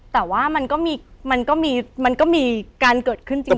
แต่ว่ามันก็มีการเกิดขึ้นจริง